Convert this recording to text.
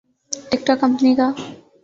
ٹک ٹوک کمپنی کا